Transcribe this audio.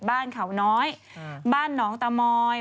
บ้านเขาน้อยน้องตะมอย